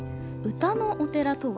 歌のお寺とは？